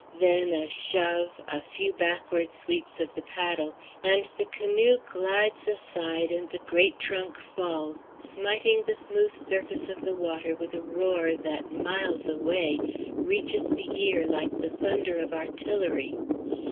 Then a shove, a few backward sweeps of the paddle, and the canoe glides aside, and the great trunk falls, smiting the smooth surface of the water with a roar that, miles away, reaches the ear like the thunder of artillery.